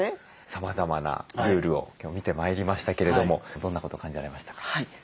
さまざまなルールを今日見てまいりましたけれどもどんなことを感じられましたか？